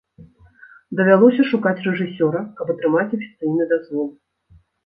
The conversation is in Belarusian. Давялося шукаць рэжысёра, каб атрымаць афіцыйны дазвол.